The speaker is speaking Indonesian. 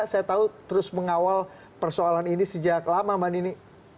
saya tahu terus mengawal persoalan ini sejak lama mbak nini